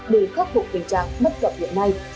để khắc phục tình trạng bất cập hiện nay